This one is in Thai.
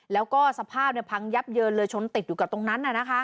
แล้วก็สภาพเนี่ยพังยับเยินเลยชนติดอยู่กับตรงนั้นอ่ะนะคะ